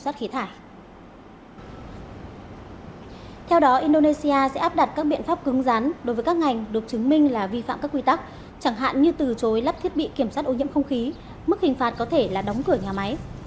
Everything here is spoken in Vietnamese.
theo đó indonesia sẽ áp đặt các biện pháp cứng rắn đối với các ngành được chứng minh là vi phạm các quy tắc chẳng hạn như từ chối lắp thiết bị kiểm soát ô nhiễm không khí mức hình phạt có thể là đóng cửa nhà máy